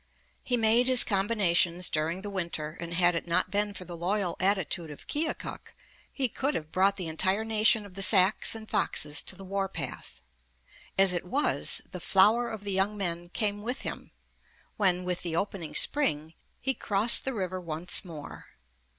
He made his combinations during the winter, and had it not been for the loyal attitude of Keokuk, he could have brought the entire nation of the Sacs and Foxes to the war path. As it was, the flower of the young men came with him when, with the opening spring, he crossed the river once more.